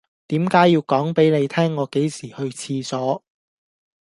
點解要講俾你聽我幾時去廁所